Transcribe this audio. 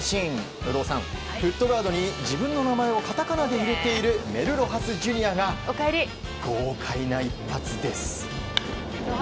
有働さん、足元に自分の名前をカタカナで入れているロハス・ジュニアが豪快な一発です。